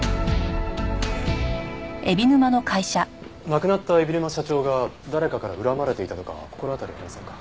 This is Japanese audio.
亡くなった海老沼社長が誰かから恨まれていたとか心当たりありませんか？